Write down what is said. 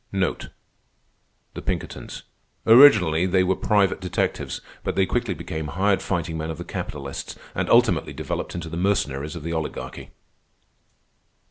Originally, they were private detectives; but they quickly became hired fighting men of the capitalists, and ultimately developed into the Mercenaries of the Oligarchy.